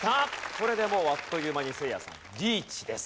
これでもうあっという間にせいやさんリーチです。